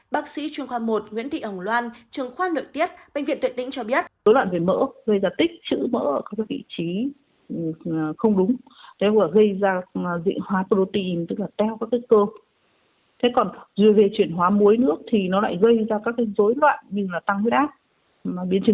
bác sĩ chuyên khoa một nguyễn thị ẩng loan trường khoa nội tiết bệnh viện tuyển tĩnh cho biết